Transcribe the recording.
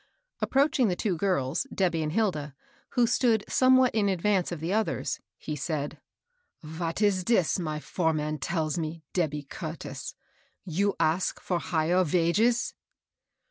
Approaching the two girls, Debby and Hilda, who stood somewhat in advance o£ the others, he said, —" Vat is tJis my foreman tells me, Debby Curtis ? You ask for higher vages